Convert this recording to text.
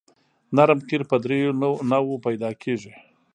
نرم قیر په دریو نوعو پیدا کیږي